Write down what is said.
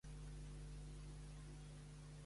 La meva mare es diu Nina Kasmi: ca, a, essa, ema, i.